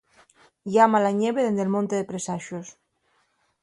Llama la ñeve dende'l monte de presaxos.